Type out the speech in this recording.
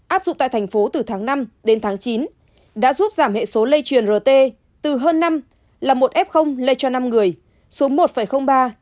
áp dụng tại thành phố từ tháng năm đến tháng chín đã giúp giảm hệ số lây truyền rt từ hơn năm là một f lây cho năm người xuống một ba